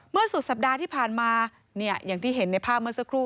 สุดสัปดาห์ที่ผ่านมาเนี่ยอย่างที่เห็นในภาพเมื่อสักครู่